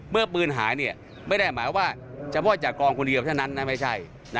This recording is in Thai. เมื่อปืนหายไม่ได้หมายว่าเฉพาะจากกองคนเดียวเท่านั้นนะไม่ใช่